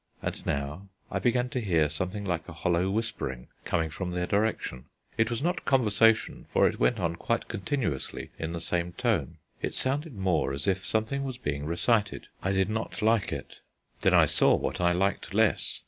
And now I began to hear something like a hollow whispering coming from their direction. It was not conversation, for it went on quite continuously in the same tone: it sounded more as if something was being recited. I did not like it. Then I saw what I liked less.